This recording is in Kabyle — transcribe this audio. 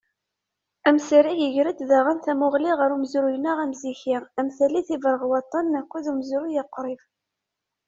Amsarag iger-d daɣen tamuɣli ɣer umezruy-nneɣ amziki, am tallit Iberɣwaṭen, akked umezruy uqrib.